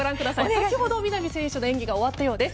先ほど、南選手の演技が終わったようです。